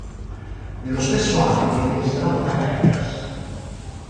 Nello stesso anno viene tesserato dai Rangers.